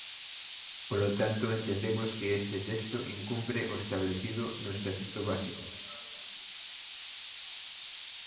Polo tanto, entendemos que este texto incumpre o establecido no Estatuto básico.